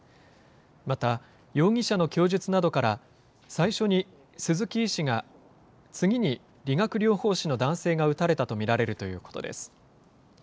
また、容疑者の供述などから、最初に鈴木医師が、次に理学療法士の男性が撃たれたと見られるということです。